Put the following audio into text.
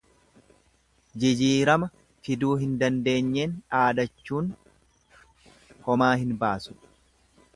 Jijiirama fiduu hin dandeenyeen dhaadachuun homaa hin baasu.